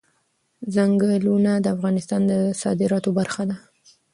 چنګلونه د افغانستان د صادراتو برخه ده.